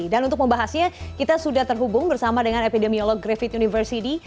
dan untuk membahasnya kita sudah terhubung bersama dengan epidemiolog graffiti university